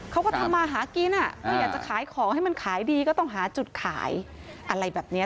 เขาก็ทำมาหากินก็อยากจะขายของให้มันขายดีก็ต้องหาจุดขายอะไรแบบนี้